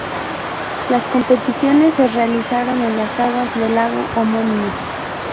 Las competiciones se realizaron en las aguas del lago homónimo.